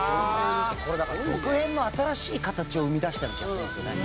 これだから続編の新しい形を生み出したような気がするんですよね。